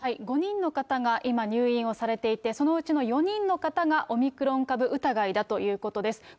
５人の方が今入院をされていて、そのうちの４人の方がオミクロン株疑いだということです。